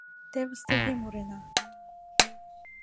Тевыс тыге мурена